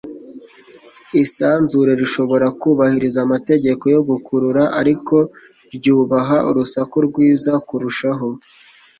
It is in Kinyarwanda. Isanzure rishobora kubahiriza amategeko yo gukurura, ariko ryubaha urusaku rwiza kurushaho.”